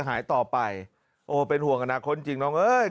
กะลาวบอกว่าก่อนเกิดเหตุ